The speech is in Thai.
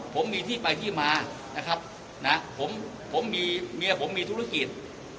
ผมมีที่ไปที่มานะครับนะผมมีเมียผมมีธุรกิจ